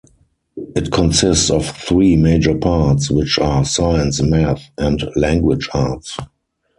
It consists of three major parts which are Science, Math, and Language Arts.